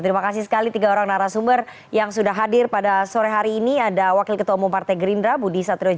terima kasih sekali tiga orang narasumber yang sudah hadir pada sore hari ini ada wakil ketua umum partai gerindra budi satrio